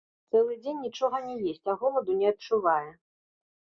Цэлы дзень нічога не есць, а голаду не адчувае.